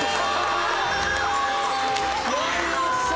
やりました！